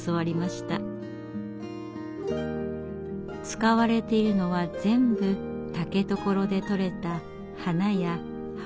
使われているのは全部竹所でとれた花や葉っぱです。